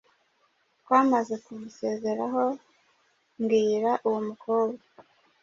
Twamaze kumusezeraho mbwira uwo mukobwa